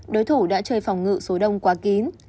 đối thủ đã chơi phòng ngự số đông quá kín